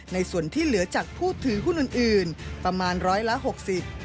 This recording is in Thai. ในส่วนที่เหลือจากผู้ถือหุ้นอื่นประมาณ๑๖๐ล้านบาท